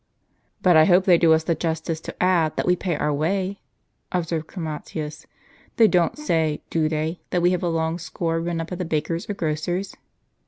" But I hope they do us the justice to add, that we pay our way? " observed Chromatins. "They don't say, do they, that we have a long score run up at the baker's or grocer's?